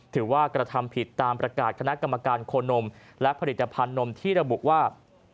ถือว่ากระทำผิดตามประกาศคณะกรรมการโคนมและผลิตภัณฑ์นมที่ระบุว่า